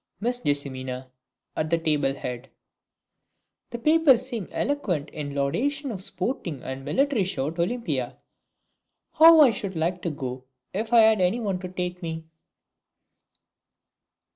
Miss Jessimina (at the table head). The papers seem eloquent in laudation of the Sporting and Military Show at Olympia. How I should like to go if I had anyone to take me!